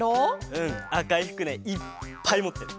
うんあかいふくねいっぱいもってる。